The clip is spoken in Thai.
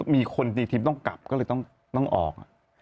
มีคนตีทีมต้องกลับก็เลยต้องออก